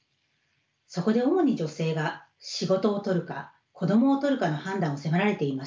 そこで主に女性が仕事を取るか子どもを取るかの判断を迫られていました。